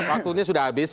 waktunya sudah habis